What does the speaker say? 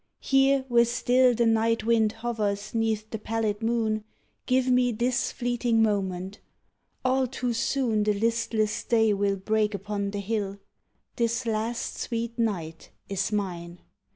Here where still The night wind hovers 'neath the pallid moon Give me this fleeting moment; all too soon The listless day will break upon the hill; This last sweet night is mine.